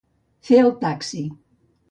Fer el taxi.